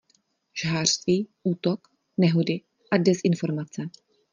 Žhářství, Útok, Nehody a Dezinformace.